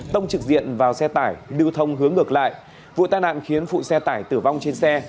tông trực diện vào xe tải lưu thông hướng ngược lại vụ tai nạn khiến phụ xe tải tử vong trên xe